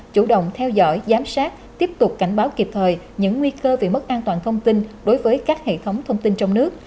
chủ động theo dõi giám sát tiếp tục cảnh báo kịp thời những nguy cơ về mất an toàn thông tin đối với các hệ thống thông tin trong nước